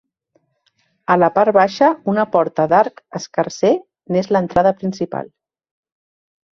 A la part baixa, una porta d'arc escarser n'és l'entrada principal.